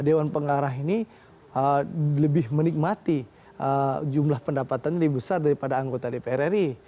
dewan pengarah ini lebih menikmati jumlah pendapatan lebih besar daripada anggota dpr ri